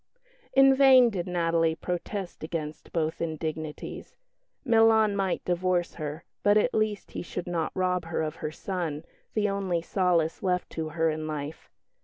In vain did Natalie protest against both indignities. Milan might divorce her; but at least he should not rob her of her son, the only solace left to her in life.